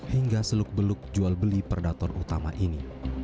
hingga seluk beluk jual beli predator utama ini